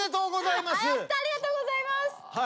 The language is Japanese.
ありがとうございます。